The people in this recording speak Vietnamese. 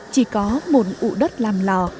chỉ có một ụ đất làm lò